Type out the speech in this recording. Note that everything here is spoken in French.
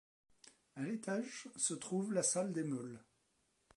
À l'étage, se trouve la salle des meules.